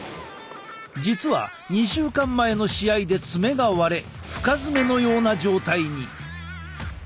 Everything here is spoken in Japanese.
実は２週間前の試合で爪が割れ深爪のような状態に。